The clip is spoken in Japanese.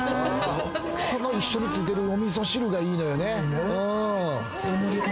一緒についてるお味噌汁がいいのよね。